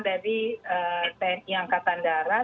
dari tni angkatan darat